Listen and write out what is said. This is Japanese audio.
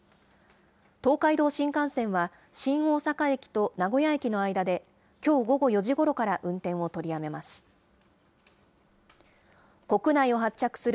東海道新幹線は、新大阪駅と名古屋駅の間できょう午後４時ごろから運転を取りやめます。